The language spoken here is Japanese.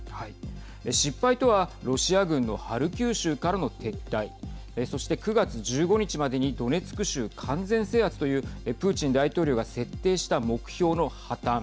失敗とはロシア軍のハルキウ州からの撤退そして、９月１５日までにドネツク州完全制圧というプーチン大統領が設定した目標の破綻。